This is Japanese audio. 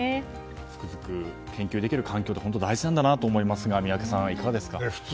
つくづく研究できる環境って本当に大事なんだなと思いますが宮家さん、いかがですか？